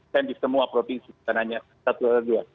dan di semua provinsi bukan hanya satu atau dua